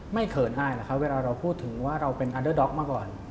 เขินอายหรอกครับเวลาเราพูดถึงว่าเราเป็นอันเดอร์ด็อกมาก่อน